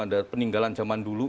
ada peninggalan zaman dulu